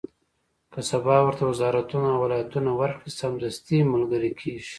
که سبا ورته وزارتونه او ولایتونه ورکړي، سمدستي ملګري کېږي.